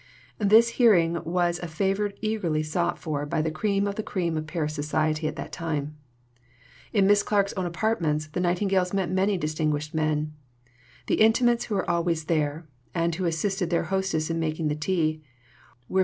This hearing was a favour eagerly sought for by the cream of the cream of Paris society at that time." In Miss Clarke's own apartments, the Nightingales met many distinguished men. The intimates who were always there, and who assisted their hostess in making the tea, were MM.